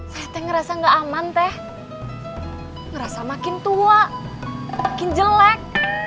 saya teh ngerasa gak aman teh ngerasa makin tua makin jelek